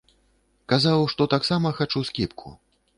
Казаў, што таксама хачу скібку.